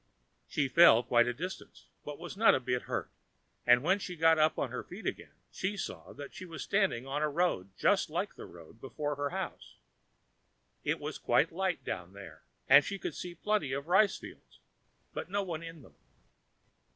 She fell quite a distance, but was not a bit hurt; and when she got up on her feet again, she saw that she was standing on a road just like the road before her house. It was quite light down there; and she could see plenty of rice fields, but no one in them.